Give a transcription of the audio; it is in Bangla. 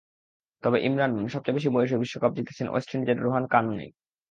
তবে ইমরান নন, সবচেয়ে বেশি বয়সে বিশ্বকাপ জিতেছেন ওয়েস্ট ইন্ডিজের রোহান কানহাই।